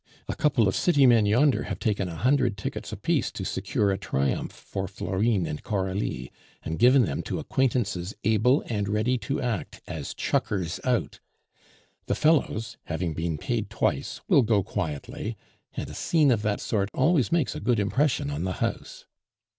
A couple of city men yonder have taken a hundred tickets apiece to secure a triumph for Florine and Coralie, and given them to acquaintances able and ready to act as chuckers out. The fellows, having been paid twice, will go quietly, and a scene of that sort always makes a good impression on the house."